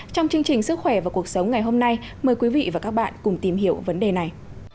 trong chương trình sức khỏe và cuộc sống ngày hôm nay mời quý vị và các bạn cùng tìm hiểu vấn đề này